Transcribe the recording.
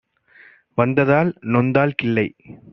வந்ததால் நொந்தாள் கிள்ளை